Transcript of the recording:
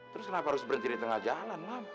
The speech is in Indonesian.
terus kenapa harus berhenti di tengah jalan